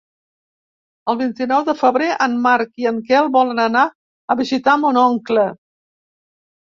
El vint-i-nou de febrer en Marc i en Quel volen anar a visitar mon oncle.